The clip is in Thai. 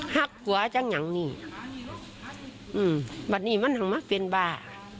หักกวะจังอย่างนี่อื้มวันนี้มันทรงมากเป็นบา